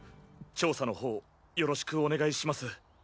調査のほうよろしくお願いします。